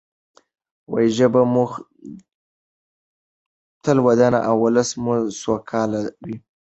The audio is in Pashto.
ژبه مو تل ودان او ولس مو سوکاله وي.